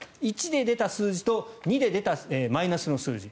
１で出た数字と２で出たマイナスの数字